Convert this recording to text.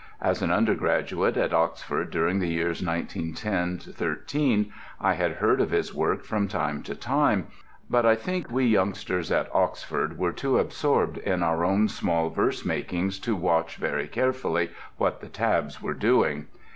As an undergraduate at Oxford during the years 1910 13 I had heard of his work from time to time; but I think we youngsters at Oxford were too absorbed in our own small versemakings to watch very carefully what the "Tabs" were doing.